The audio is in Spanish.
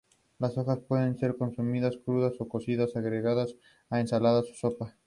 Las hojas pueden ser consumidas crudas o cocidas, agregadas a ensaladas o sopas.